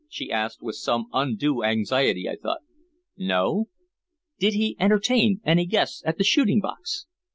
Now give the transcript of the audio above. she asked with some undue anxiety I thought. "No." "Did he entertain any guests at the shooting box?"